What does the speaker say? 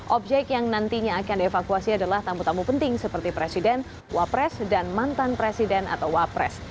objek yang nantinya akan dievakuasi adalah tamu tamu penting seperti presiden wapres dan mantan presiden atau wapres